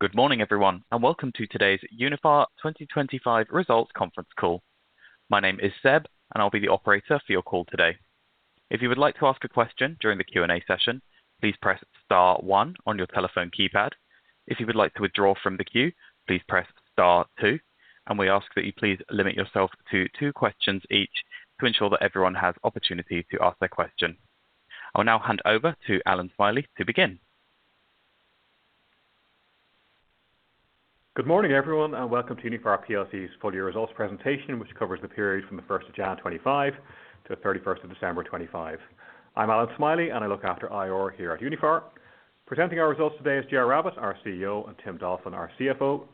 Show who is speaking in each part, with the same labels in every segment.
Speaker 1: Good morning, everyone, welcome to today's Uniphar 2025 results conference call. My name is Seb, I'll be the operator for your call today. If you would like to ask a question during the Q&A session, please press star one on your telephone keypad. If you would like to withdraw from the queue, please press star two, we ask that you please limit yourself to two questions each to ensure that everyone has opportunity to ask their question. I'll now hand over to Allan Smylie to begin.
Speaker 2: Good morning, everyone, welcome to Uniphar PLC's full year results presentation, which covers the period from the first of January 2025 to the 31st of December 2025. I'm Allan Smylie, and I look after IR here at Uniphar. Presenting our results today is Ger Rabbette, our CEO, and Tim Dolphin, our CFO.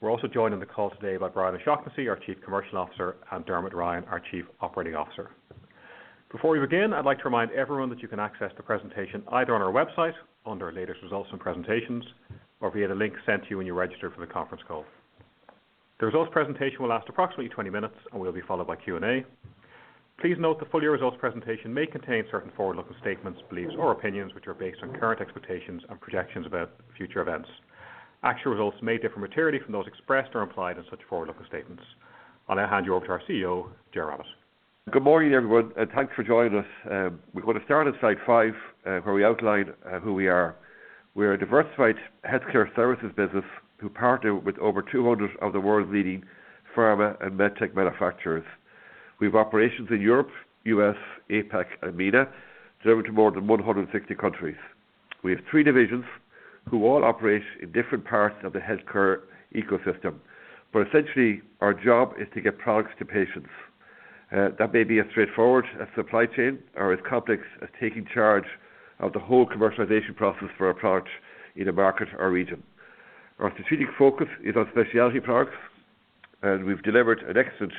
Speaker 2: We're also joined on the call today by Brian O'Shaughnessy, our Chief Commercial Officer, and Dermot Ryan, our Chief Operating Officer. Before we begin, I'd like to remind everyone that you can access the presentation either on our website under Latest Results and Presentations or via the link sent to you when you registered for the conference call. The results presentation will last approximately 20 minutes and will be followed by Q&A. Please note the full year results presentation may contain certain forward-looking statements, beliefs or opinions, which are based on current expectations and projections about future events. Actual results may differ materially from those expressed or implied in such forward-looking statements. I'll now hand you over to our CEO, Ger Rabbette.
Speaker 3: Good morning, everyone, and thanks for joining us. We're going to start on slide five, where we outline who we are. We're a diversified healthcare services business who partner with over 200 of the world's leading pharma and medtech manufacturers. We have operations in Europe, U.S., APAC, and MENA, delivering to more than 160 countries. We have three divisions who all operate in different parts of the healthcare ecosystem, but essentially our job is to get products to patients. That may be as straightforward as supply chain or as complex as taking charge of the whole commercialization process for a product in a market or region. Our strategic focus is on specialty products, and we've delivered an excellent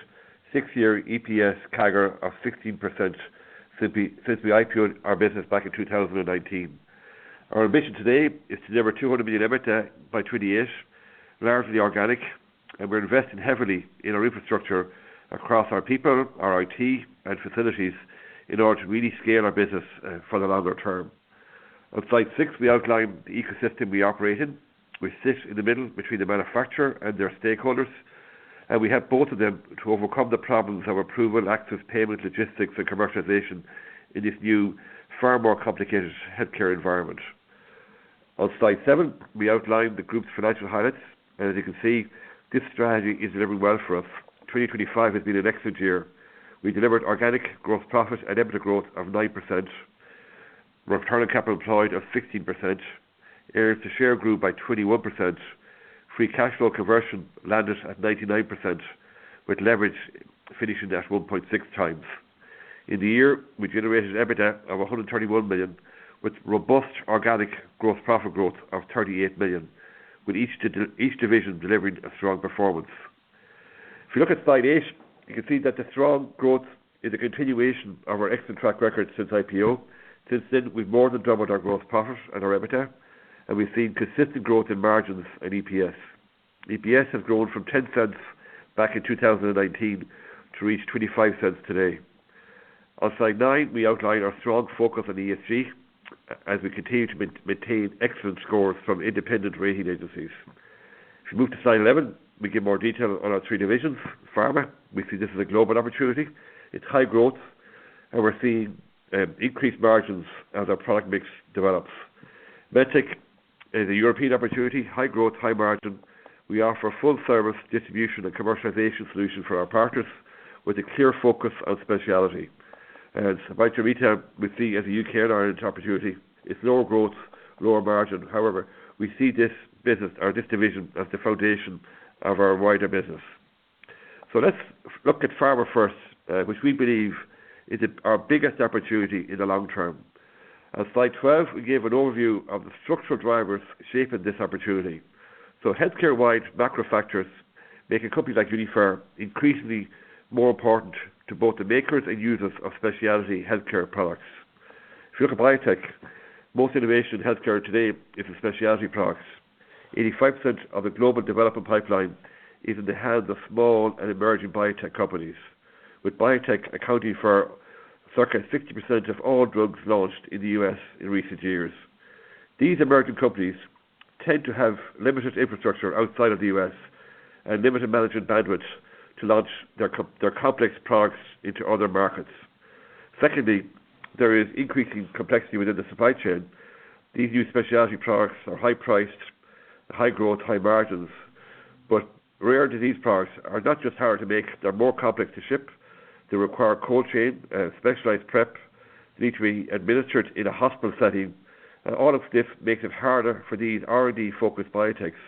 Speaker 3: six-year EPS CAGR of 16% since we IPO'd our business back in 2019. Our mission today is to deliver 200 million EBITDA by 2028, largely organic, and we're investing heavily in our infrastructure across our people, our IT and facilities in order to really scale our business for the longer term. On slide six, we outline the ecosystem we operate in. We sit in the middle between the manufacturer and their stakeholders, and we help both of them to overcome the problems of approval, access, payment, logistics, and commercialization in this new, far more complicated healthcare environment. On slide seven, we outline the group's financial highlights, and as you can see, this strategy is delivering well for us. 2025 has been an excellent year. We delivered organic growth profit and EBITDA growth of 9%. Return on Capital Employed of 16%. Earnings per share grew by 21%. Free cash flow conversion landed at 99%, with leverage finishing at 1.6x. In the year, we generated EBITDA of 131 million, with robust organic growth profit growth of 38 million, with each division delivering a strong performance. If you look at slide eight, you can see that the strong growth is a continuation of our excellent track record since IPO. Since then, we've more than doubled our growth profit and our EBITDA, and we've seen consistent growth in margins and EPS. EPS have grown from 0.10 back in 2019 to reach 0.25 today. On slide nine, we outline our strong focus on ESG as we continue to maintain excellent scores from independent rating agencies. If you move to slide 11, we give more detail on our three divisions. Pharma, we see this as a global opportunity. It's high growth, and we're seeing increased margins as our product mix develops. MedTech is a European opportunity, high growth, high margin. We offer a full service distribution and commercialization solution for our partners with a clear focus on specialty. Vital Retail, we see as a U.K. and Ireland opportunity. It's lower growth, lower margin. However, we see this business or this division as the foundation of our wider business. Let's look at Pharma first, which we believe is our biggest opportunity in the long term. On slide 12, we give an overview of the structural drivers shaping this opportunity. Healthcare-wide macro factors make a company like Uniphar increasingly more important to both the makers and users of specialty healthcare products. If you look at biotech, most innovation in healthcare today is in specialty products. 85% of the global development pipeline is in the hands of small and emerging biotech companies, with biotech accounting for circa 60% of all drugs launched in the U.S. in recent years. These emerging companies tend to have limited infrastructure outside of the U.S. and limited management bandwidth to launch their complex products into other markets. Secondly, there is increasing complexity within the supply chain. These new specialty products are high priced, high growth, high margins, but rare disease products are not just harder to make, they're more complex to ship. They require cold chain, specialized prep, they need to be administered in a hospital setting, and all of this makes it harder for these R&D-focused biotechs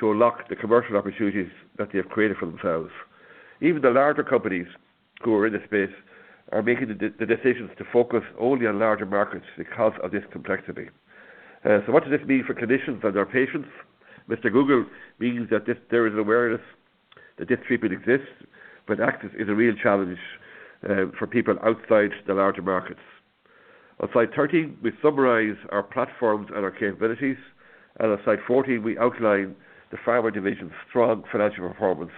Speaker 3: to unlock the commercial opportunities that they have created for themselves. Even the larger companies who are in this space are making the decisions to focus only on larger markets because of this complexity. What does this mean for clinicians and their patients? Google means that this there is an awareness that this treatment exists, but access is a real challenge for people outside the larger markets. On slide 13, we summarize our platforms and our capabilities. On slide 14, we outline the Pharma division's strong financial performance.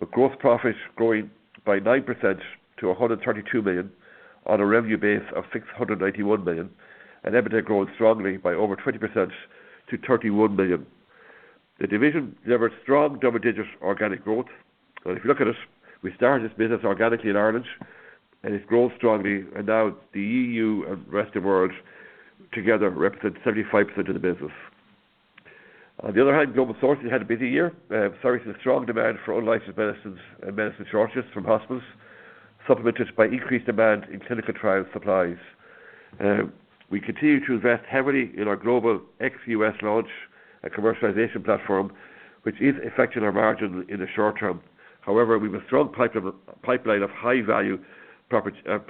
Speaker 3: With gross profit growing by 9% to 132 million on a revenue base of 691 million, and EBITDA growing strongly by over 20% to 31 million. The division delivered strong double-digit organic growth, and if you look at it, we started this business organically in Ireland, and it's grown strongly, and now the EU and rest of world together represent 75% of the business. On the other hand, Global Sources had a busy year. Starting with strong demand for all licensed medicines and medicine shortages from hospitals, supplemented by increased demand in clinical trial supplies. We continue to invest heavily in our global ex-U.S. launch and commercialization platform, which is affecting our margin in the short term. However, we have a strong pipeline of high-value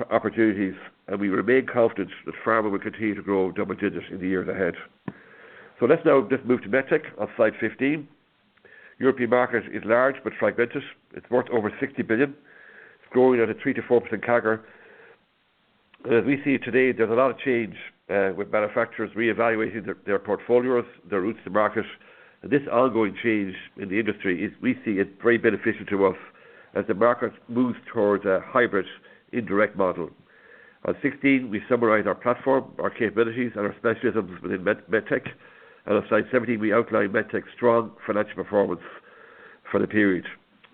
Speaker 3: opportunities, and we remain confident that Pharma will continue to grow double-digits in the years ahead. Let's now just move to MedTech on slide 15. European market is large but fragmented. It's worth over 60 billion. It's growing at a 3%-4% CAGR. As we see today, there's a lot of change with manufacturers reevaluating their portfolios, their routes to market. This ongoing change in the industry is we see it very beneficial to us as the market moves towards a hybrid indirect model. On 16, we summarize our platform, our capabilities, and our specialisms within MedTech. On slide 17, we outline MedTech's strong financial performance for the period,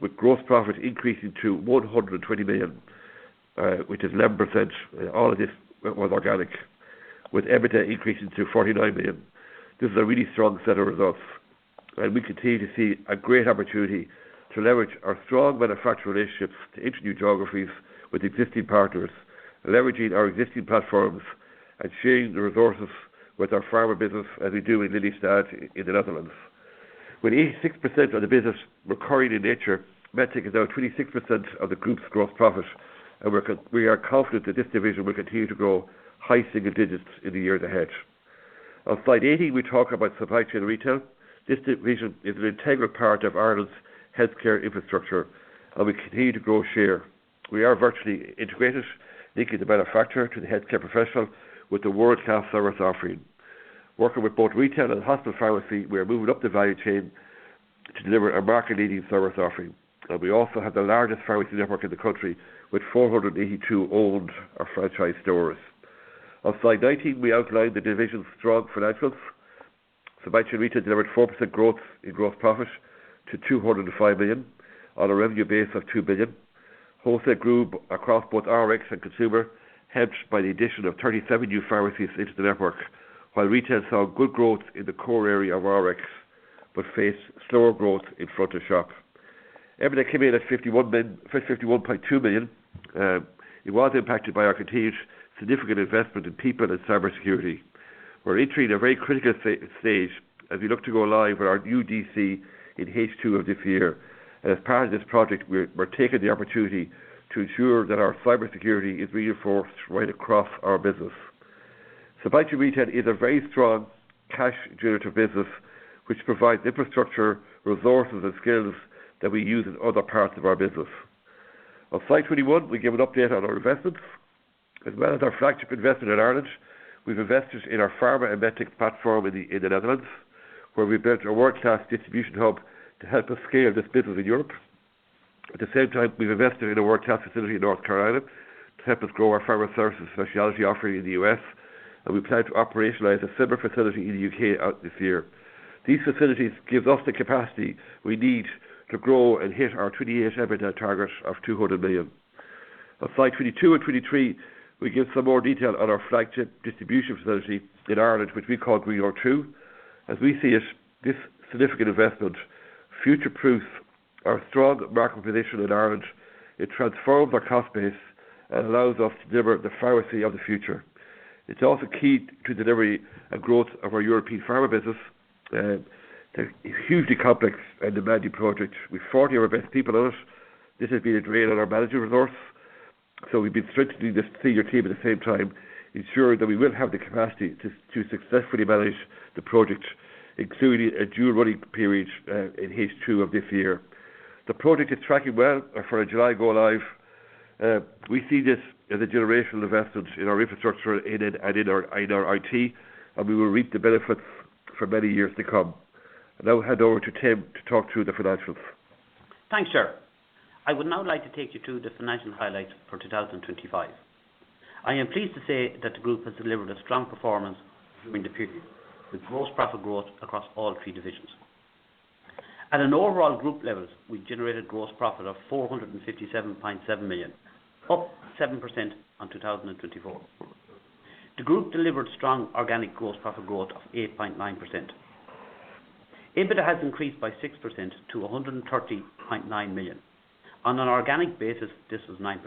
Speaker 3: with gross profit increasing to 120 million, which is 11%. All of this was organic, with EBITDA increasing to 49 million. This is a really strong set of results. We continue to see a great opportunity to leverage our strong manufacturer relationships into new geographies with existing partners, leveraging our existing platforms and sharing the resources with our Pharma business, as we do in Lelystad in the Netherlands. With 86% of the business recurring in nature, MedTech is now 26% of the group's gross profit. We are confident that this division will continue to grow high single digits in the years ahead. On slide 18, we talk about Supply Chain Retail. This division is an integral part of Ireland's healthcare infrastructure. We continue to grow share. We are virtually integrated, linking the manufacturer to the healthcare professional with the world-class service offering. Working with both retail and hospital pharmacy, we are moving up the value chain to deliver a market-leading service offering. We also have the largest pharmacy network in the country, with 482 owned or franchised stores. On slide 19, we outline the division's strong financials. Supply Chain Retail delivered 4% growth in gross profit to 205 million on a revenue base of 2 billion. Wholesale grew across both Rx and consumer, helped by the addition of 37 new pharmacies into the network. Retail saw good growth in the core area of Rx, but faced slower growth in front of shop. EBITDA came in at 51 million, 51.2 million. It was impacted by our continued significant investment in people and cybersecurity. We're entering a very critical stage as we look to go live with our new DC in H2 of this year. As part of this project, we're taking the opportunity to ensure that our cybersecurity is reinforced right across our business. Supply Chain & Retail is a very strong cash generator business, which provides infrastructure, resources, and skills that we use in other parts of our business. On slide 21, we give an update on our investments. As well as our flagship investment in Ireland, we've invested in our Pharma and Medtech platform in the Netherlands, where we've built a world-class distribution hub to help us scale this business in Europe. At the same time, we've invested in a world-class facility in North Carolina to help us grow our pharma services specialty offering in the U.S. We plan to operationalize a similar facility in the U.K. out this year. These facilities gives us the capacity we need to grow and hit our 28 EBITDA target of 200 million. On slide 22 and 23, we give some more detail on our flagship distribution facility in Ireland, which we call Greenogue 2. As we see it, this significant investment future-proofs our strong market position in Ireland. It transforms our cost base and allows us to deliver the pharmacy of the future. It's a hugely complex and demanding project. With 40 of our best people on it, this has been a drain on our management resource. We've been strengthening the senior team at the same time, ensuring that we will have the capacity to successfully manage the project, including a dual running period in H2 of this year. The project is tracking well for a July go live. We see this as a generational investment in our infrastructure in it and in our IT, and we will reap the benefits for many years to come. I'll now hand over to Tim to talk through the financials.
Speaker 4: Thanks, Gerard. I would now like to take you through the financial highlights for 2025. I am pleased to say that the group has delivered a strong performance during the period, with gross profit growth across all three divisions. At an overall group level, we generated gross profit of 457.7 million, up 7% on 2024. The group delivered strong organic gross profit growth of 8.9%. EBITDA has increased by 6% to 130.9 million. On an organic basis, this is 9%.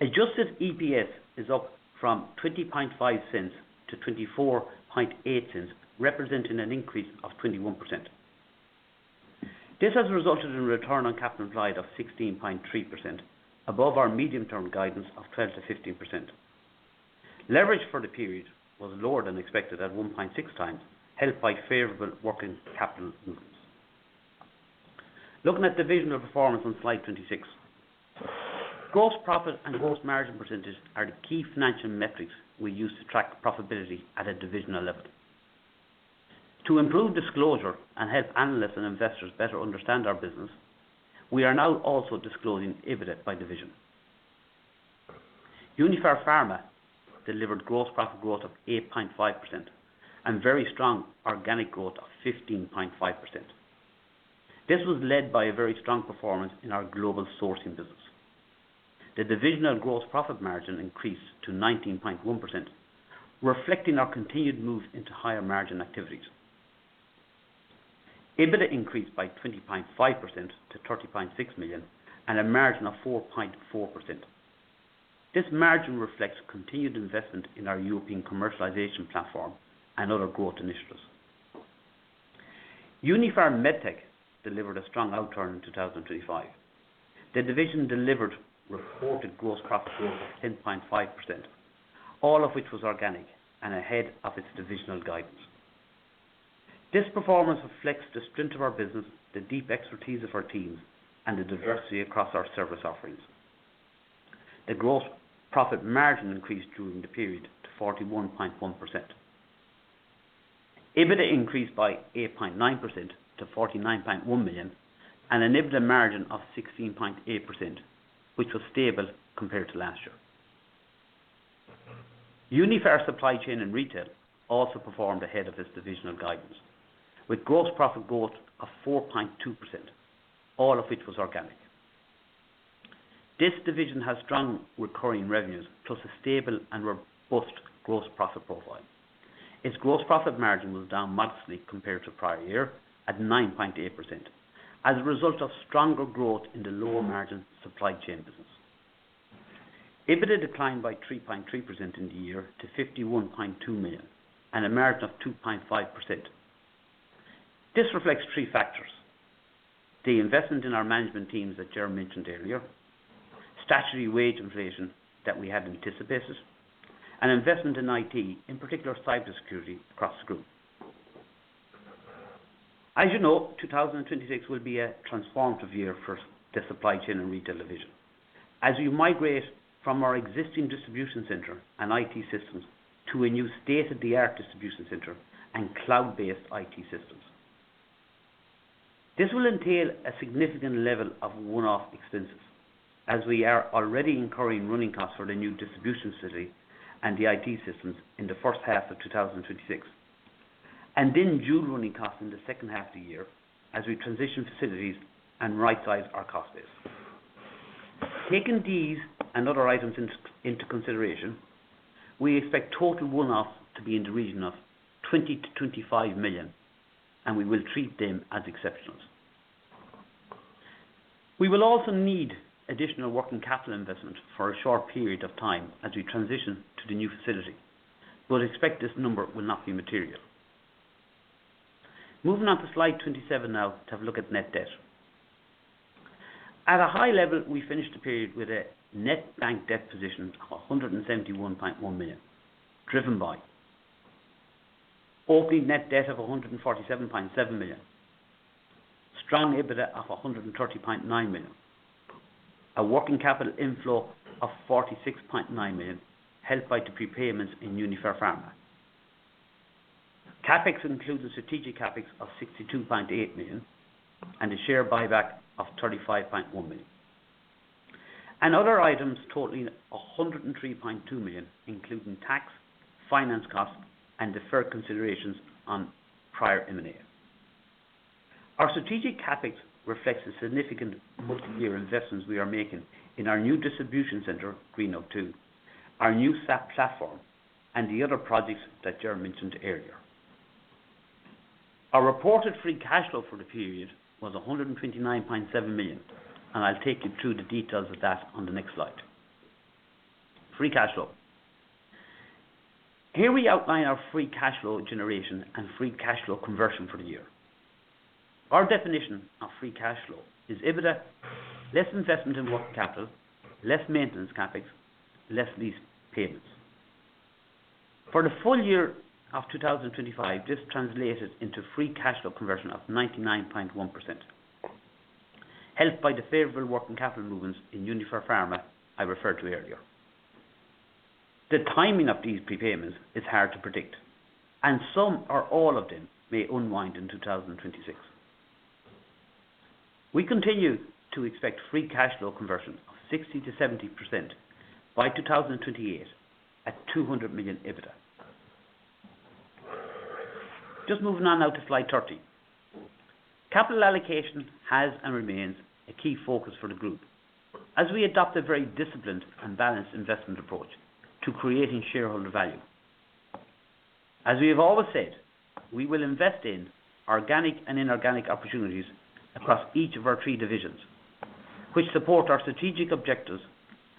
Speaker 4: Adjusted EPS is up from 0.205 to 0.248, representing an increase of 21%. This has resulted in Return on Capital Employed of 16.3%, above our medium-term guidance of 12%-15%. Leverage for the period was lower than expected at 1.6x, helped by favorable working capital movements. Looking at divisional performance on slide 26. Gross profit and gross margin % are the key financial metrics we use to track profitability at a divisional level. To improve disclosure and help analysts and investors better understand our business, we are now also disclosing EBITDA by division. Uniphar Pharma delivered gross profit growth of 8.5% and very strong organic growth of 15.5%. This was led by a very strong performance in our global sourcing business. The divisional gross profit margin increased to 19.1%, reflecting our continued move into higher margin activities. EBITDA increased by 20.5% to 30.6 million and a margin of 4.4%. This margin reflects continued investment in our European commercialization platform and other growth initiatives. Uniphar Medtech delivered a strong outturn in 2025. The division delivered reported gross profit growth of 10.5%, all of which was organic and ahead of its divisional guidance. This performance reflects the strength of our business, the deep expertise of our teams, and the diversity across our service offerings. A gross profit margin increased during the period to 41.1%. EBITDA increased by 8.9% to 49.1 million, and an EBITDA margin of 16.8%, which was stable compared to last year. Uniphar Supply Chain & Retail also performed ahead of this divisional guidance, with gross profit growth of 4.2%, all of which was organic. This division has strong recurring revenues, plus a stable and robust gross profit profile. Its gross profit margin was down modestly compared to prior year, at 9.8%, as a result of stronger growth in the lower margin supply chain business. EBITDA declined by 3.3% in the year to 51.2 million, and a margin of 2.5%. This reflects three factors: the investment in our management teams that Ger mentioned earlier, statutory wage inflation that we had anticipated, and investment in IT, in particular, cybersecurity across the group. As you know, 2026 will be a transformative year for the Supply Chain & Retail Division, as we migrate from our existing distribution center and IT systems to a new state-of-the-art distribution center and cloud-based IT systems. This will entail a significant level of one-off expenses, as we are already incurring running costs for the new distribution facility and the IT systems in the first half of 2026, and then dual running costs in the second half of the year as we transition facilities and rightsize our cost base. Taking these and other items into consideration, we expect total one-off to be in the region of 20 million-25 million, and we will treat them as exceptions. We will also need additional working capital investment for a short period of time as we transition to the new facility, but expect this number will not be material. Moving on to slide 27 now to have a look at net debt. At a high level, we finished the period with a net bank debt position of 171.1 million, driven by opening net debt of 147.7 million, strong EBITDA of 130.9 million, a working capital inflow of 46.9 million, helped by the prepayments in Uniphar Pharma. CapEx includes a strategic CapEx of 62.8 million and a share buyback of 35.1 million. Other items totaling 103.2 million, including tax, finance costs, and deferred considerations on prior M&A. Our strategic CapEx reflects the significant multi-year investments we are making in our new distribution center, Greenogue, our new SAP platform, and the other projects that Ger mentioned earlier. Our reported free cash flow for the period was 129.7 million. I'll take you through the details of that on the next slide. Free cash flow. Here we outline our free cash flow generation and Free Cash Flow Conversion for the year. Our definition of free cash flow is EBITDA, less investment in working capital, less maintenance CapEx, less lease payments. For the full year of 2025, this translated into Free Cash Flow Conversion of 99.1%, helped by the favorable working capital movements in Uniphar Pharma I referred to earlier. The timing of these prepayments is hard to predict, and some or all of them may unwind in 2026. We continue to expect Free Cash Flow Conversion of 60%-70% by 2028, at 200 million EBITDA. Just moving on now to slide 13. Capital allocation has and remains a key focus for the group, as we adopt a very disciplined and balanced investment approach to creating shareholder value. As we have always said, we will invest in organic and inorganic opportunities across each of our 3 divisions, which support our strategic objectives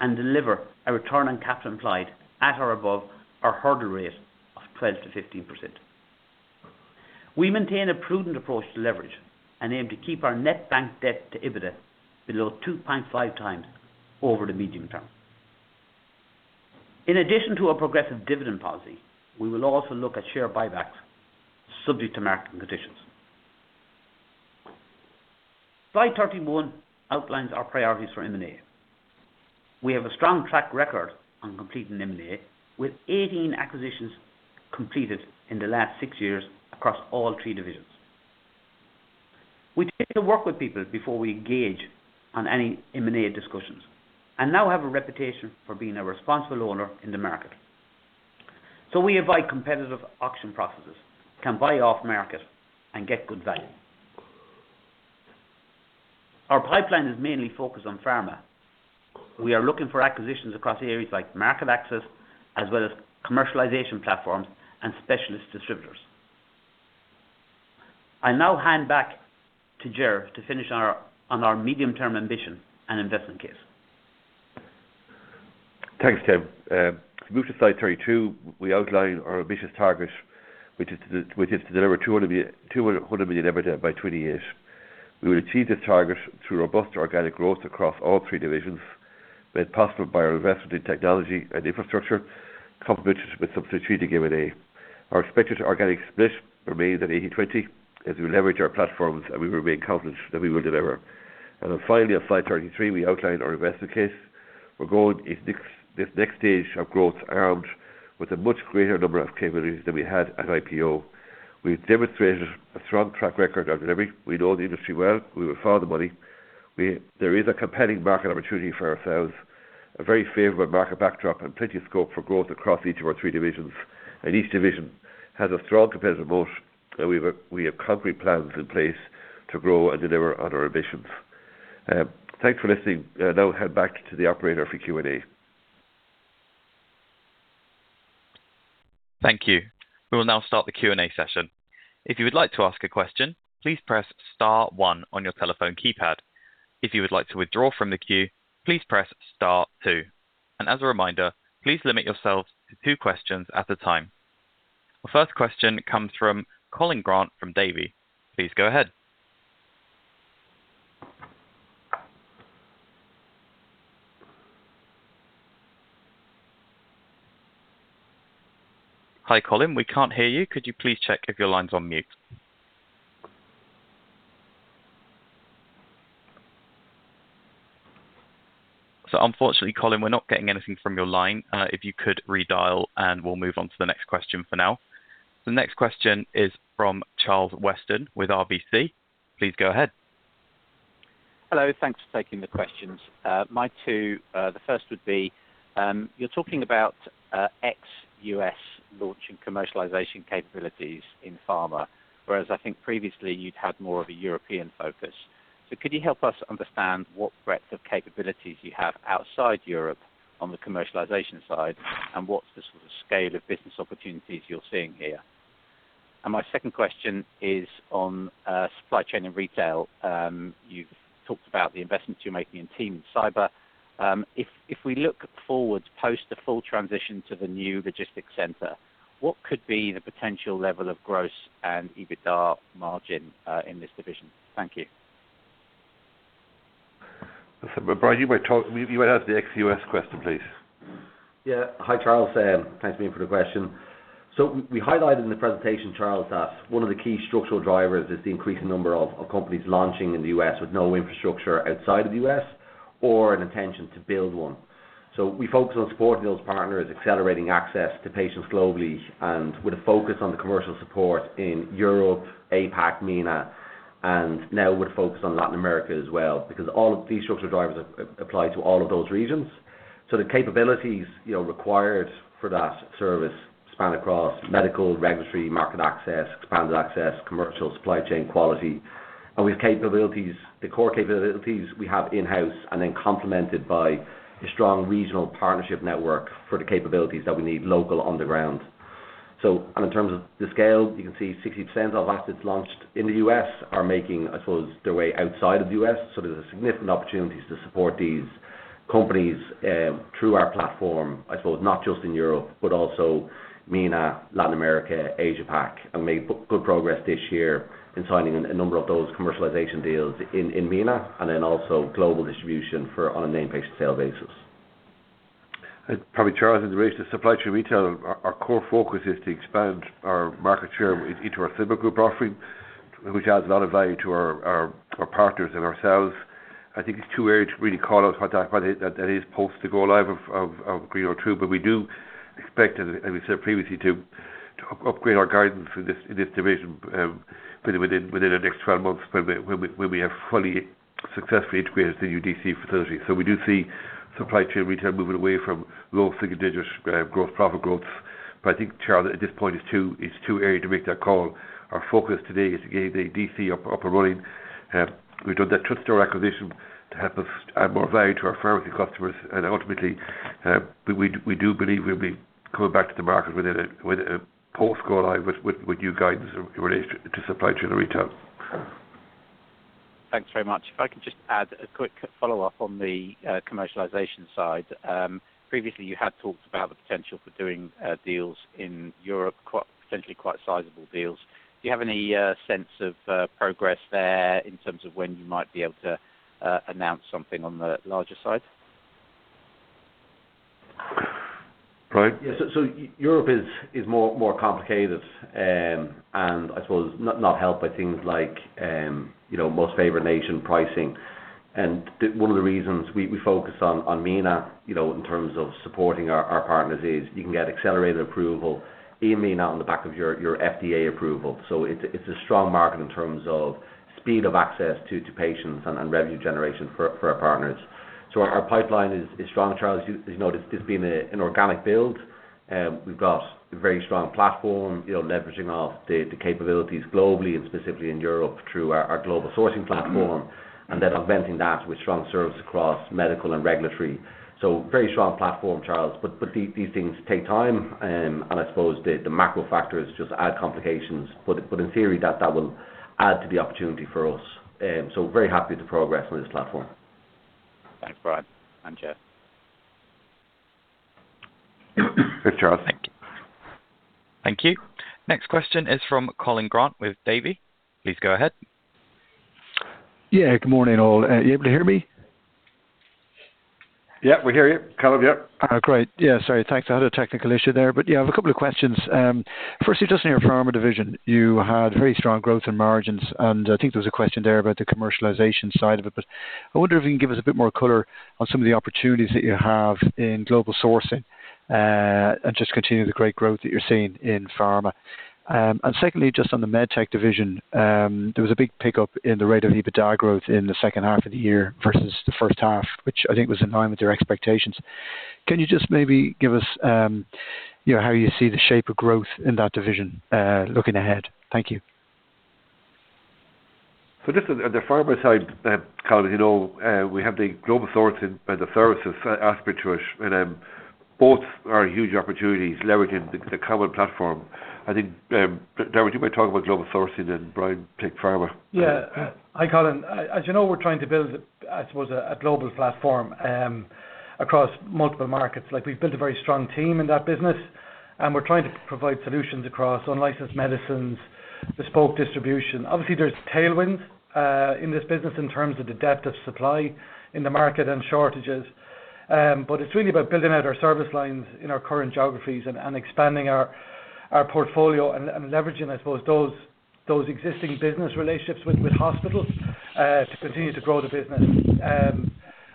Speaker 4: and deliver a Return on Capital Employed at or above our hurdle rate of 12%-15%. We maintain a prudent approach to leverage and aim to keep our net bank debt to EBITDA below 2.5x over the medium term. In addition to our progressive dividend policy, we will also look at share buybacks, subject to market conditions. Slide 31 outlines our priorities for M&A. We have a strong track record on completing M&A, with 18 acquisitions completed in the last six years across all three divisions. We tend to work with people before we engage on any M&A discussions, and now have a reputation for being a responsible owner in the market. We invite competitive auction processes, can buy off market and get good value. Our pipeline is mainly focused on pharma. We are looking for acquisitions across areas like market access, as well as commercialization platforms and specialist distributors. I'll now hand back to Ger to finish on our medium-term ambition and investment case.
Speaker 3: Thanks, Tim. If we move to slide 32, we outline our ambitious target, which is to deliver 200 million EBITDA by 2028. We will achieve this target through robust organic growth across all three divisions, made possible by our investment in technology and infrastructure, complemented with some strategic M&A. Our expected organic split remains at 80/20, as we leverage our platforms, and we remain confident that we will deliver. Finally, on slide 33, we outline our investment case. We're going into this next stage of growth armed with a much greater number of capabilities than we had at IPO. We've demonstrated a strong track record of delivery. We know the industry well. We will follow the money. We There is a compelling market opportunity for ourselves, a very favorable market backdrop, and plenty of scope for growth across each of our three divisions. Each division has a strong competitive moat, and we have concrete plans in place to grow and deliver on our ambitions. Thanks for listening. I'll now hand back to the operator for Q&A.
Speaker 1: Thank you. We will now start the Q&A session. If you would like to ask a question, please press star one on your telephone keypad. If you would like to withdraw from the queue, please press star two. As a reminder, please limit yourselves to two questions at a time. The first question comes from Colin Grant from Davy. Please go ahead. Hi, Colin, we can't hear you. Could you please check if your line's on mute? Unfortunately, Colin, we're not getting anything from your line. If you could redial, and we'll move on to the next question for now. The next question is from Charles Weston with RBC. Please go ahead.
Speaker 5: Hello. Thanks for taking the questions. My two, the first would be, you're talking about ex-U.S. launch and commercialization capabilities in pharma, whereas I think previously you'd had more of a European focus. Could you help us understand what breadth of capabilities you have outside Europe on the commercialization side? What's the sort of scale of business opportunities you're seeing here? My second question is on supply chain and retail. You've talked about the investments you're making in team and cyber. If we look forward post the full transition to the new logistics center, what could be the potential level of gross and EBITDA margin in this division? Thank you.
Speaker 3: Listen, Brian, you might talk. You might answer the ex-U.S. question, please.
Speaker 6: Hi, Charles. Thanks again for the question. We highlighted in the presentation, Charles, that one of the key structural drivers is the increasing number of companies launching in the U.S. with no infrastructure outside of the U.S., or an intention to build one. We focus on supporting those partners, accelerating access to patients globally, and with a focus on the commercial support in Europe, APAC, MENA, and now with a focus on Latin America as well, because all of these structural drivers apply to all of those regions. The capabilities, you know, required for that service span across medical, regulatory, market access, expanded access, commercial, supply chain quality. With capabilities, the core capabilities we have in-house, and then complemented by a strong regional partnership network for the capabilities that we need local on the ground. In terms of the scale, you can see 60% of assets launched in the U.S. are making, I suppose, their way outside of the U.S. There's significant opportunities to support these companies, through our platform, I suppose, not just in Europe, but also MENA, Latin America, Asia Pac, and made good progress this year in signing a number of those commercialization deals in MENA, and then also global distribution for on a named patient sales basis.
Speaker 3: Probably Charles, in the race to Supply Chain & Retail, our core focus is to expand our market share into our similar group offering, which adds a lot of value to our partners and ourselves. I think it's too early to really call out what that is post the go live of Greenogue. We do expect and we said previously to upgrade our guidance in this division within the next 12 months, when we have fully successfully integrated the new DC facility. We do see Supply Chain & Retail moving away from low single digits growth, profit growth. I think, Charles, at this point, it's too early to make that call. Our focus today is to get the DC up and running. We've done that TouchStore acquisition to help us add more value to our pharmacy customers. Ultimately, we do believe we'll be coming back to the market with a post go live with new guidance related to supply chain and retail.
Speaker 5: Thanks very much. If I could just add a quick follow-up on the commercialization side. Previously, you had talked about the potential for doing deals in Europe, potentially quite sizable deals. Do you have any sense of progress there in terms of when you might be able to announce something on the larger side?
Speaker 6: Yeah, Europe is more complicated. I suppose not helped by things like, you know, Most-Favored-Nation Pricing. One of the reasons we focus on MENA, you know, in terms of supporting our partners, is you can get accelerated approval in MENA on the back of your FDA approval. It's a strong market in terms of speed of access to patients and revenue generation for our partners. Our pipeline is strong, Charles. As you know, it's been an organic build. We've got a very strong platform, you know, leveraging off the capabilities globally and specifically in Europe through our Global Sourcing platform, and then augmenting that with strong service across medical and regulatory. Very strong platform, Charles. These things take time. I suppose the macro factors just add complications. In theory, that will add to the opportunity for us. Very happy with the progress on this platform.
Speaker 7: Thanks, Brian and Ger.
Speaker 3: Thanks, Charles.
Speaker 1: Thank you. Thank you. Next question is from Colin Grant with Davy. Please go ahead.
Speaker 8: Yeah, good morning, all. You able to hear me?
Speaker 3: Yeah, we hear you, Colin. Yep.
Speaker 8: Great. Yeah, sorry. Thanks. I had a technical issue there. Yeah, I have a couple of questions. Firstly, just in your Pharma division, you had very strong growth in margins, and I think there was a question there about the commercialization side of it. I wonder if you can give us a bit more color on some of the opportunities that you have in global sourcing, and just continue the great growth that you're seeing in Pharma. Secondly, just on the medtech division, there was a big pickup in the rate of EBITDA growth in the second half of the year versus the first half, which I think was in line with your expectations. Can you just maybe give us, you know, how you see the shape of growth in that division, looking ahead? Thank you.
Speaker 3: Just on the pharma side, Colin, you know, we have the global sourcing and the services aspect to it, and both are huge opportunities leveraging the common platform. I think, Dermot, would you mind talking about global sourcing and Brian, take pharma?
Speaker 9: Yeah. Hi, Colin. As you know, we're trying to build, I suppose, a global platform across multiple markets. Like, we've built a very strong team in that business, and we're trying to provide solutions across unlicensed medicines, bespoke distribution. Obviously, there's tailwinds in this business in terms of the depth of supply in the market and shortages. It's really about building out our service lines in our current geographies and expanding our portfolio and leveraging, I suppose, those existing business relationships with hospitals to continue to grow the business.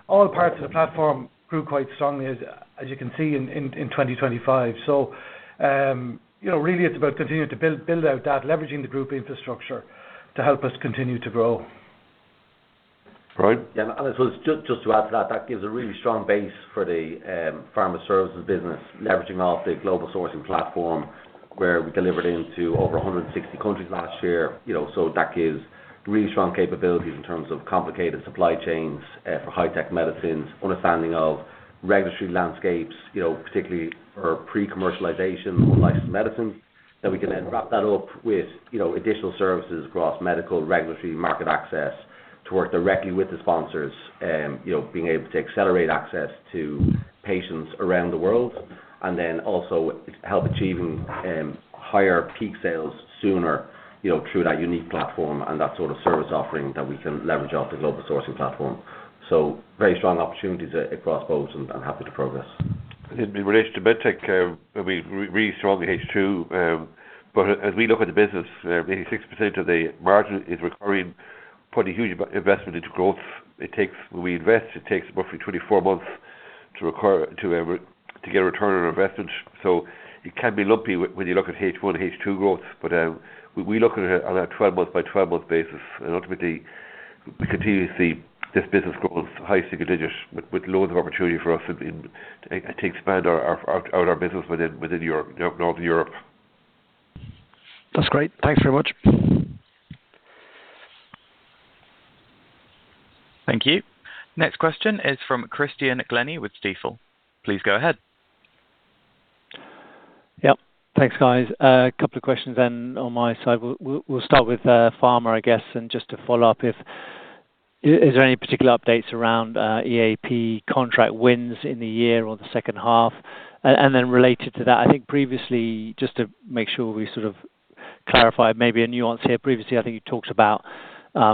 Speaker 9: All parts of the platform grew quite strongly, as you can see in 2025. You know, really it's about continuing to build out that, leveraging the group infrastructure to help us continue to grow.
Speaker 3: Right.
Speaker 6: I suppose just to add to that gives a really strong base for the pharma services business, leveraging off the global sourcing platform, where we delivered into over 160 countries last year. That gives really strong capabilities in terms of complicated supply chains, for high-tech medicines, understanding of regulatory landscapes, you know, particularly for pre-commercialization or licensed medicine, that we can then wrap that up with, you know, additional services across medical, regulatory, market access to work directly with the sponsors. Being able to accelerate access to patients around the world, and then also help achieving higher peak sales sooner, you know, through that unique platform and that sort of service offering that we can leverage off the global sourcing platform. Very strong opportunities across both and happy to progress.
Speaker 3: In relation to medtech, really strongly H2. As we look at the business, 86% of the margin is recurring, putting huge investment into growth. When we invest, it takes roughly 24 months to recur, to get a return on investment. It can be lumpy when you look at H1, H2 growth. We look at it on a 12-month by 12-month basis, and ultimately, we continue to see this business grow high single digits, with loads of opportunity for us in to expand our business within Europe, Northern Europe.
Speaker 8: That's great. Thanks very much.
Speaker 1: Thank you. Next question is from Christian Glennie with Stifel. Please go ahead.
Speaker 10: Yep. Thanks, guys. A couple of questions then on my side. We'll start with Pharma, I guess. Just to follow up, is there any particular updates around EAP contract wins in the year or the second half? Related to that, I think previously, just to make sure we sort of clarify maybe a nuance here. Previously, I think you talked about a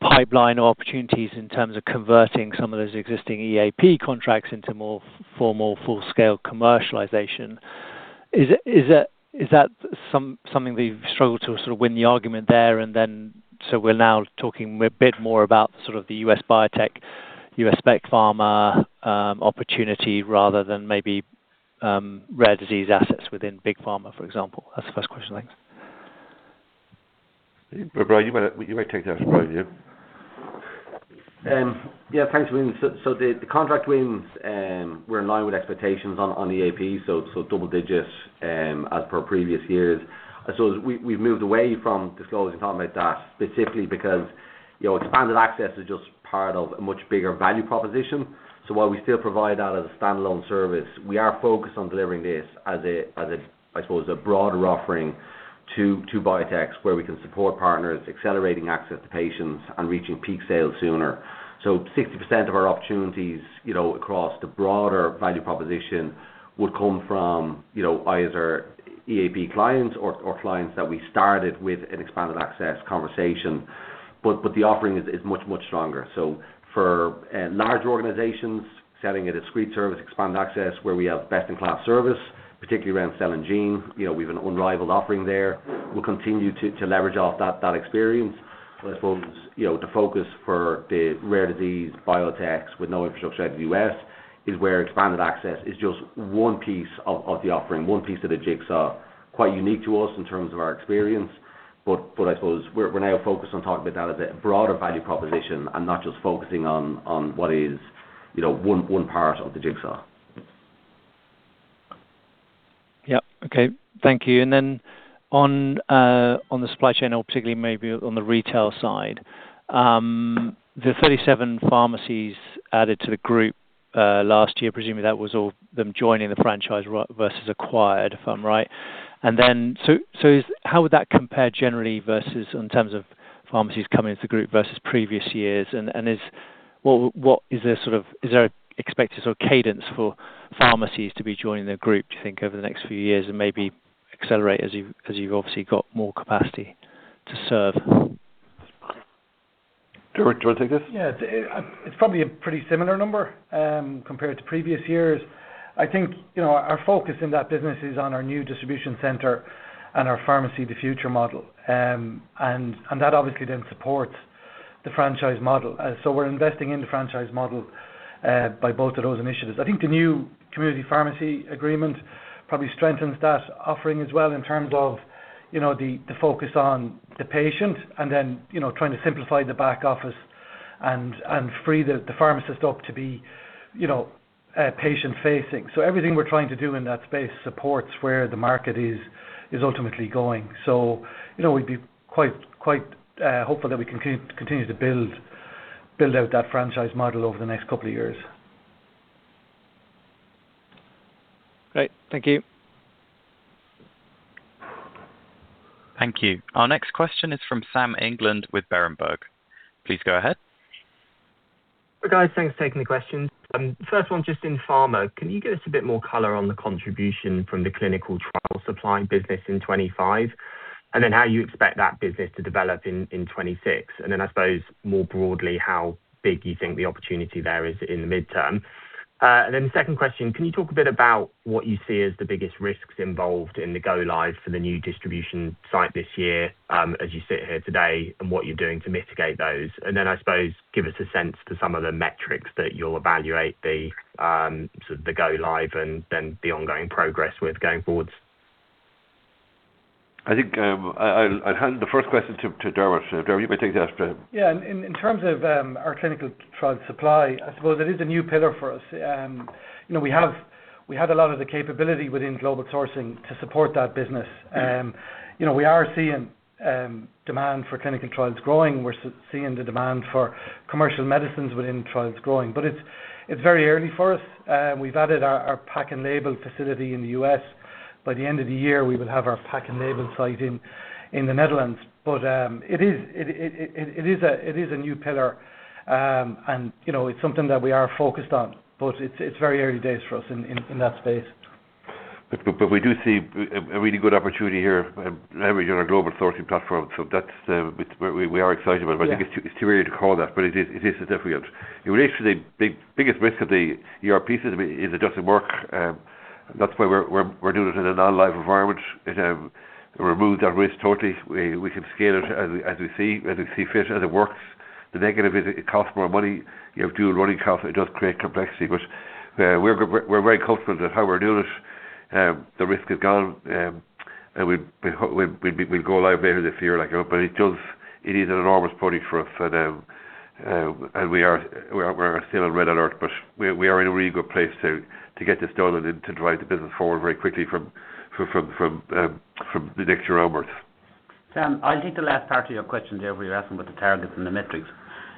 Speaker 10: pipeline of opportunities in terms of converting some of those existing EAP contracts into more formal, full-scale commercialization. Is that something that you've struggled to sort of win the argument there and then, we're now talking a bit more about sort of the U.S. biotech, U.S. spec pharma opportunity, rather than maybe rare disease assets within big pharma, for example? That's the first question. Thanks.
Speaker 3: Brian, you might take that as well, yeah.
Speaker 6: Yeah, thanks, Christian. The contract wins were in line with expectations on EAP, so double digits, as per previous years. We've moved away from disclosing, talking about that, specifically because, you know, expanded access is just part of a much bigger value proposition. While we still provide that as a standalone service, we are focused on delivering this as a, I suppose, a broader offering to biotechs, where we can support partners, accelerating access to patients and reaching peak sales sooner. 60% of our opportunities, you know, across the broader value proposition would come from, you know, either EAP clients or clients that we started with an expanded access conversation. The offering is much stronger. For large organizations, selling a discrete service, expanded access, where we have best-in-class service, particularly around cell and gene, you know, we have an unrivaled offering there. We'll continue to leverage off that experience. I suppose, you know, the focus for the rare disease biotechs with no infrastructure out in the US, is where expanded access is just one piece of the offering, one piece of the jigsaw. Quite unique to us in terms of our experience, but I suppose we're now focused on talking about that as a broader value proposition and not just focusing on what is, you know, one part of the jigsaw.
Speaker 8: Yep. Okay. Thank you. On the supply chain, or particularly maybe on the retail side, the 37 pharmacies added to the group last year, presumably that was all them joining the franchise versus acquired, if I'm right? How would that compare generally versus in terms of pharmacies coming into the group versus previous years? Is there an expected sort of cadence for pharmacies to be joining the group, do you think, over the next few years and maybe accelerate as you, as you've obviously got more capacity to serve?
Speaker 3: Dermot, do you want to take this?
Speaker 9: Yeah. It's probably a pretty similar number compared to previous years. I think, you know, our focus in that business is on our new distribution center and our pharmacy of the future model. That obviously then supports the franchise model. We're investing in the franchise model by both of those initiatives. I think the new Community Pharmacy Agreement probably strengthens that offering as well in terms of, you know, the focus on the patient and then, you know, trying to simplify the back office and free the pharmacist up to be, you know, patient-facing. Everything we're trying to do in that space supports where the market is ultimately going. You know, we'd be quite hopeful that we continue to build out that franchise model over the next couple of years.
Speaker 10: Great. Thank you.
Speaker 1: Thank you. Our next question is from Sam England with Berenberg. Please go ahead.
Speaker 11: Hi, guys. Thanks for taking the questions. First one, just in pharma, can you give us a bit more color on the contribution from the clinical trial supply business in 2025? How you expect that business to develop in 2026. I suppose, more broadly, how big you think the opportunity there is in the midterm. The second question, can you talk a bit about what you see as the biggest risks involved in the go-live for the new distribution site this year, as you sit here today, and what you're doing to mitigate those? I suppose, give us a sense to some of the metrics that you'll evaluate the sort of the go-live and then the ongoing progress with going forwards.
Speaker 3: I think, I'll hand the first question to Dermot. Dermot, you may take that first.
Speaker 9: Yeah. In terms of our clinical trial supply, I suppose it is a new pillar for us. You know, we had a lot of the capability within Global Sourcing to support that business. You know, we are seeing demand for clinical trials growing. We're seeing the demand for commercial medicines within trials growing, but it's very early for us. We've added our pack and label facility in the U.S. By the end of the year, we will have our pack and label site in the Netherlands. It is a new pillar, and, you know, it's something that we are focused on, but it's very early days for us in that space.
Speaker 3: We do see a really good opportunity here, leverage on our Global Sourcing platform. That's we are excited about it.
Speaker 9: Yeah.
Speaker 3: I think it's too early to call that, it is significant. In relation to the biggest risk of the ERP system is it doesn't work. That's why we're doing it in a non-live environment. It removes that risk totally. We can scale it as we see fit, as it works. The negative is it costs more money. You have dual running costs. It does create complexity, we're very confident in how we're doing it. The risk is gone, and we'll go live later this year, like, it is an enormous product for us. We're still on red alert, but we are in a really good place to get this done and to drive the business forward very quickly from the next year onwards.
Speaker 4: Sam, I'll take the last part of your question there, where you're asking about the targets and the metrics.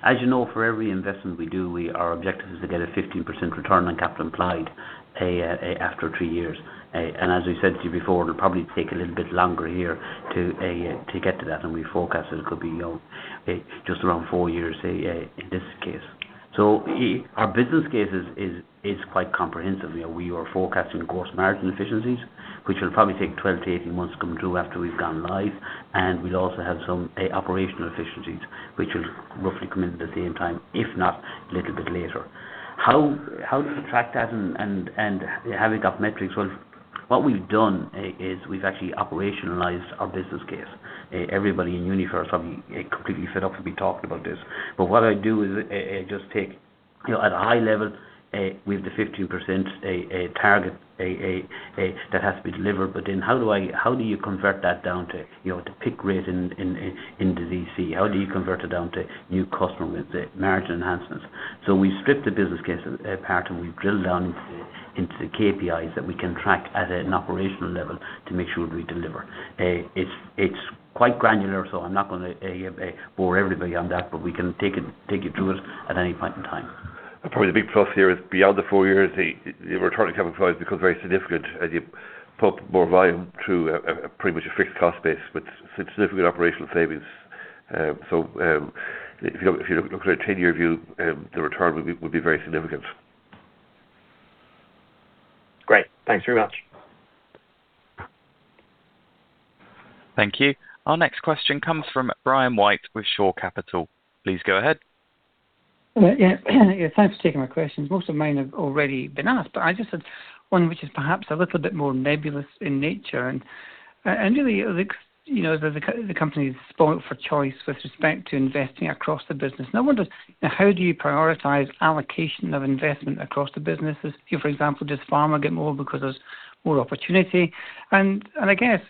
Speaker 4: As you know, for every investment we do, we, our objective is to get a 15% Return on Capital Employed after three years. As we said to you before, it'll probably take a little bit longer here to get to that, and we forecast it could be just around four years in this case. Our business case is quite comprehensive. You know, we are forecasting gross margin efficiencies, which will probably take 12-18 months to come through after we've gone live. We'll also have some operational efficiencies, which will roughly come in at the same time, if not a little bit later. How to track that and having up metrics? What we've done is we've actually operationalized our business case. Everybody in Uniphar is completely set up to be talked about this. What I do is just take, you know, at a high level, we have the 15% target that has to be delivered. How do you convert that down to, you know, to pick rate into ZC? How do you convert it down to new customer with the margin enhancements? We've stripped the business case apart, and we've drilled down into the KPIs that we can track at an operational level to make sure we deliver. It's quite granular, so I'm not gonna bore everybody on that, but we can take you through it at any point in time.
Speaker 3: Probably the big plus here is beyond the four years, the Return on Capital Employed becomes very significant as you pump more volume through a pretty much a fixed cost base, but significant operational savings. If you look at a 10-year view, the return will be very significant.
Speaker 11: Great. Thanks very much.
Speaker 1: Thank you. Our next question comes from Brian White, with Shore Capital. Please go ahead.
Speaker 12: Yeah, thanks for taking my questions. Most of mine have already been asked, but I just had one, which is perhaps a little bit more nebulous in nature. Really, it looks, you know, the company is spoiled for choice with respect to investing across the business. I wonder, how do you prioritize allocation of investment across the businesses? For example, does Pharma get more because there's more opportunity? I guess,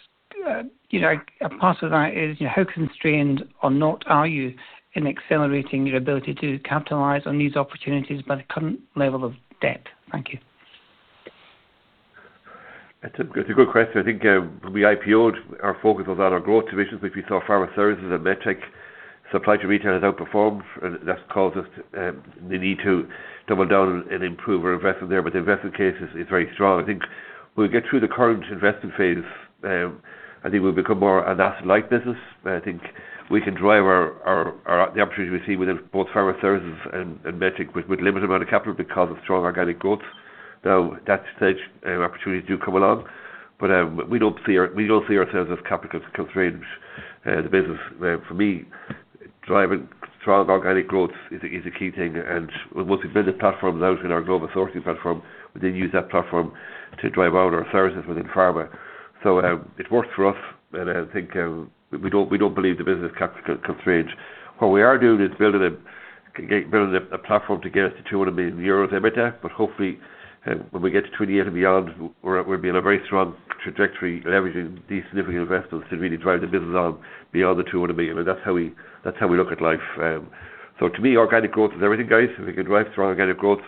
Speaker 12: you know, a part of that is, you know, how constrained or not are you in accelerating your ability to capitalize on these opportunities by the current level of debt? Thank you.
Speaker 3: That's a good question. I think when we IPO-ed, our focus was on our growth divisions, which we saw pharma services and Medtech. Supply to retail has outperformed, and that's caused us the need to double down and improve our investment there, but the investment case is very strong. I think we'll get through the current investing phase, I think we'll become more an asset-light business. I think we can drive our opportunities we see within both pharma services and Medtech with limited amount of capital because of strong organic growth. That said, opportunities do come along, but we don't see ourselves as capital constrained. The business, for me, driving strong organic growth is a key thing. Once we build the platforms out in our global sourcing platform, we then use that platform to drive out our services within pharma. It works for us, and I think, we don't believe the business is capital constrained. What we are doing is building a platform to get us to 200 million euros EBITDA, but hopefully, when we get to 2028 and beyond, we'll be in a very strong trajectory, leveraging these significant investments to really drive the business on beyond the 200 million. That's how we, that's how we look at life. To me, organic growth is everything, guys. If we can drive strong organic growth,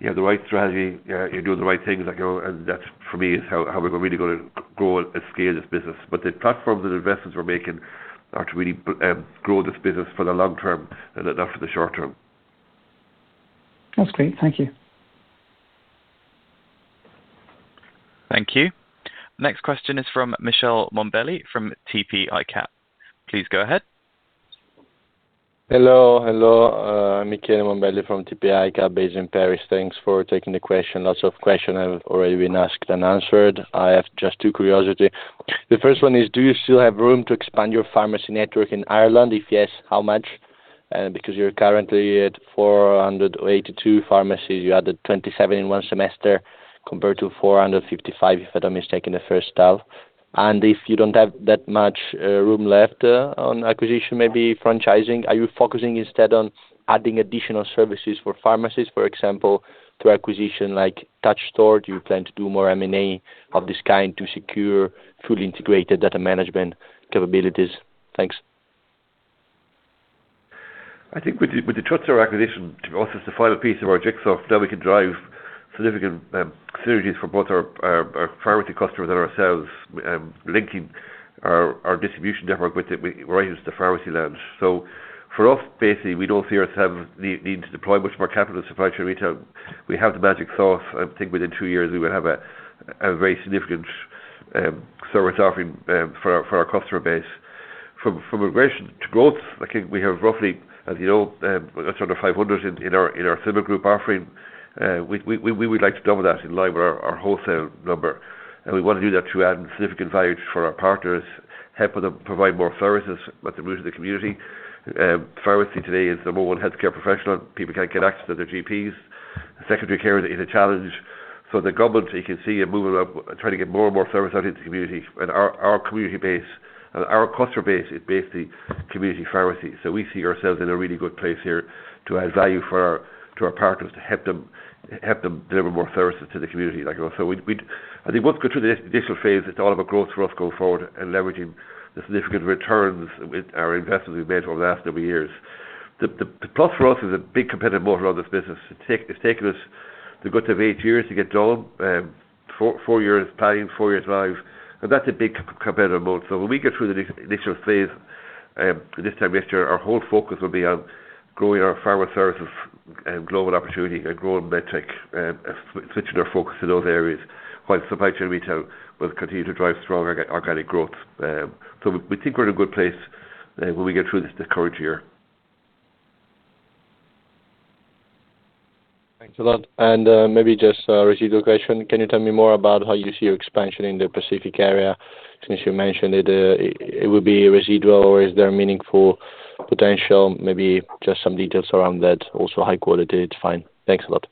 Speaker 3: you have the right strategy, you're doing the right things, like, you know. That, for me, is how we're really gonna grow and scale this business. The platforms and investments we're making are to really grow this business for the long term and not for the short term.
Speaker 12: That's great. Thank you.
Speaker 1: Thank you. Next question is from Michele Mombelli, from TP ICAP. Please go ahead.
Speaker 13: Hello, hello, Michele Mombelli from TP ICAP, based in Paris. Thanks for taking the question. Lots of question have already been asked and answered. I have just two curiosity. The first one is, do you still have room to expand your pharmacy network in Ireland? If yes, how much? Because you're currently at 482 pharmacies. You added 27 in one semester, compared to 455, if I am not mistaken, the first half. If you don't have that much room left on acquisition, maybe franchising, are you focusing instead on adding additional services for pharmacies, for example, through acquisition, like Touchstore? Do you plan to do more M&A of this kind to secure fully integrated data management capabilities? Thanks.
Speaker 3: I think with the TouchStore acquisition, to us, it's the final piece of our jigsaw. Now we can drive significant, synergies for both our pharmacy customers and ourselves, linking our distribution network with it, right into the pharmacy land. For us, basically, we don't see ourselves need to deploy much more capital to supply chain retail. We have the magic sauce. I think within two years, we will have a very significant service offering for our customer base. From aggression to growth, I think we have roughly, as you know, sort of 500 in our symbol group offering. We would like to double that in line with our wholesale number. We want to do that through adding significant value for our partners, help them provide more services at the root of the community. Pharmacy today is the number one healthcare professional. People can't get access to their GPs. Secondary care is a challenge. The government, you can see, are moving up, trying to get more and more services out into the community. Our community base and our customer base is basically community pharmacy. We see ourselves in a really good place here to add value to our partners, to help them deliver more services to the community, like also we'd I think once we go through the initial phase, it's all about growth for us going forward and leveraging the significant returns with our investments we've made over the last number of years. The plus for us is a big competitive motor on this business. It's taken us the good of eight years to get done, four years planning, four years live, and that's a big competitive mode. When we get through the next initial phase, this time next year, our whole focus will be on growing our Pharma services and global opportunity and growing Medtech, and switching our focus to those areas, while Supply Chain & Retail will continue to drive strong organic growth. We think we're in a good place when we get through this, the current year.
Speaker 13: Thanks a lot. Maybe just a residual question. Can you tell me more about how you see your expansion in the Pacific area, since you mentioned it would be residual, or is there meaningful potential? Maybe just some details around that. High quality is fine. Thanks a lot.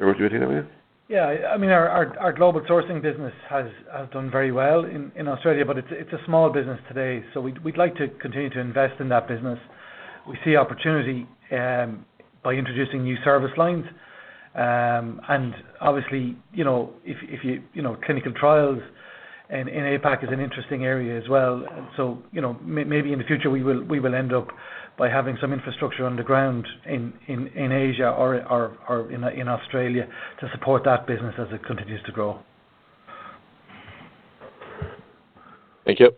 Speaker 3: Everything with you?
Speaker 9: Yeah. I mean, our global sourcing business has done very well in Australia, but it's a small business today, we'd like to continue to invest in that business. We see opportunity by introducing new service lines. obviously, you know, if you know, clinical trials and APAC is an interesting area as well. you know, maybe in the future, we will end up by having some infrastructure on the ground in Asia or in Australia to support that business as it continues to grow.
Speaker 13: Thank you.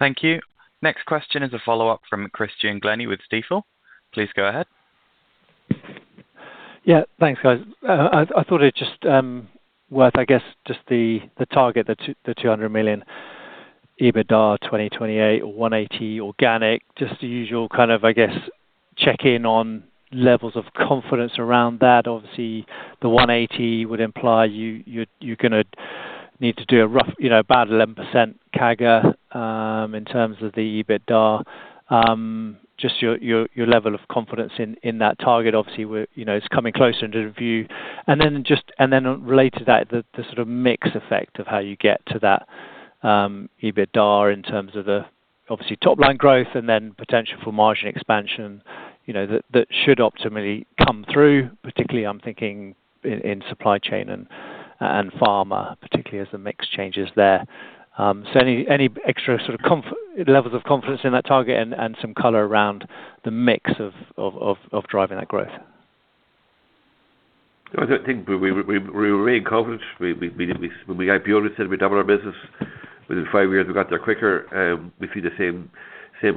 Speaker 1: Thank you. Next question is a follow-up from Christian Glennie with Stifel. Please go ahead.
Speaker 10: Yeah, thanks, guys. I thought it just worth, I guess, just the target, the 200 million EBITDA 2028 or 180 million organic. Just the usual kind of, I guess, check in on levels of confidence around that. Obviously, the 180 million would imply you're gonna need to do a rough, you know, about 11% CAGR in terms of the EBITDA. Just your level of confidence in that target. Obviously, you know, it's coming closer into view. Then just, and then related to that, the sort of mix effect of how you get to that, EBITDA in terms of the obviously top line growth and then potential for margin expansion, you know, that should optimally come through, particularly I'm thinking in supply chain and pharma, particularly as the mix changes there. So any extra sort of levels of confidence in that target and some color around the mix of, of driving that growth?
Speaker 3: I think we remain confident. We, when we IPO, we said we double our business. Within five years, we got there quicker. We see the same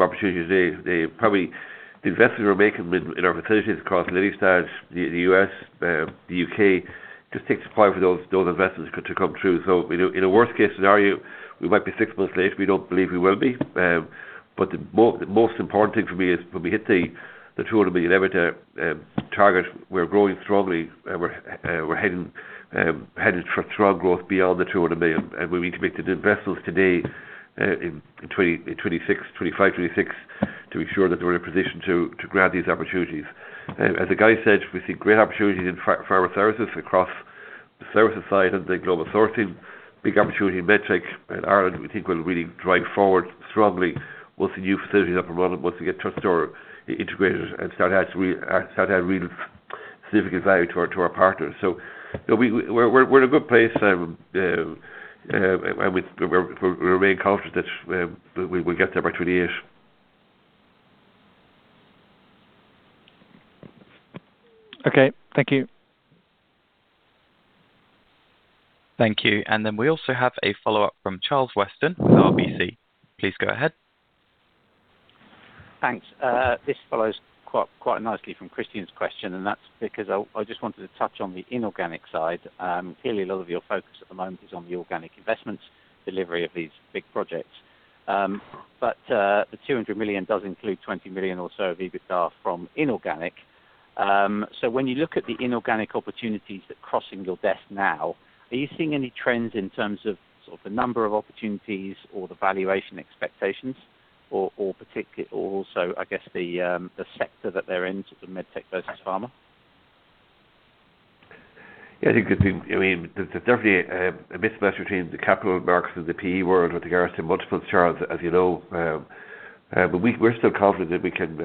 Speaker 3: opportunity today. The investment we're making in our facilities across Lelystad, the U.S., the U.K., just takes time for those investments to come through. We know in a worst case scenario, we might be six months late. We don't believe we will be. The most important thing for me is when we hit the EUR 200 million EBITDA target, we're growing strongly, and we're heading, headed for strong growth beyond the 200 million. We need to make the investments today, in 2026, 2025, 2026, to ensure that we're in a position to grab these opportunities. As the guy said, we see great opportunities in pharma services across the services side and the global sourcing. Big opportunity in medtech. In Ireland, we think we'll really drive forward strongly with the new facilities up and running once we get TouchStore integrated and start to add real significant value to our partners. We're in a good place, We remain confident that we'll get there by 2028.
Speaker 10: Okay. Thank you.
Speaker 1: Thank you. We also have a follow-up from Charles Weston with RBC. Please go ahead.
Speaker 5: Thanks. This follows quite nicely from Christian's question, and that's because I just wanted to touch on the inorganic side. Clearly, a lot of your focus at the moment is on the organic investments, delivery of these big projects. The 200 million does include 20 million or so of EBITDA from inorganic. When you look at the inorganic opportunities that crossing your desk now, are you seeing any trends in terms of, sort of the number of opportunities or the valuation expectations or particularly, or also, I guess, the sector that they're in, sort of medtech versus Pharma?
Speaker 3: Yeah, I think, I mean, there's definitely a mismatch between the capital markets and the PE world with regards to multiples, Charles, as you know. We're still confident that we can,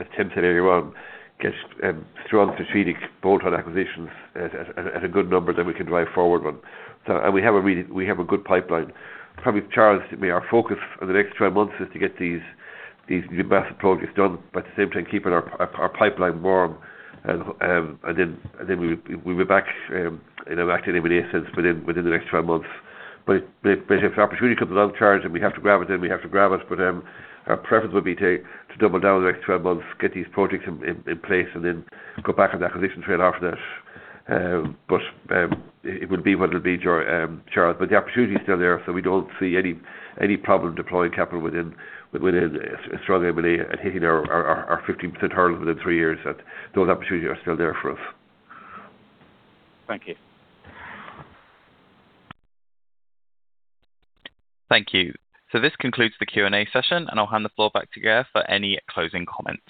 Speaker 3: as Tim said earlier on, get strong strategic bolt-on acquisitions at a good number that we can drive forward on. We have a good pipeline. Probably, Charles, I mean, our focus for the next 12 months is to get these massive projects done, but at the same time, keeping our pipeline warm. We, we'll be back, you know, back in M&A sense within the next 12 months. If the opportunity comes along, Charles, and we have to grab it, then we have to grab it. Our preference would be to double down the next 12 months, get these projects in place, go back on the acquisition trail after that. It will be what it will be, Charles. The opportunity is still there, we don't see any problem deploying capital within a strong M&A and hitting our 15% hurdle within three years, those opportunities are still there for us.
Speaker 5: Thank you.
Speaker 1: Thank you. This concludes the Q&A session, and I'll hand the floor back to Gareth for any closing comments.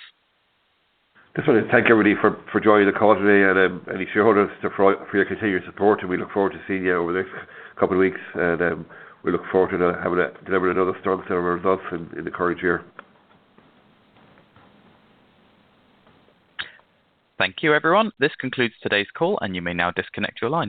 Speaker 3: Just want to thank everybody for joining the call today, and any shareholders, for your continued support, and we look forward to seeing you over the next couple of weeks. We look forward to having to deliver another strong set of results in the current year.
Speaker 1: Thank you, everyone. This concludes today's call, and you may now disconnect your line.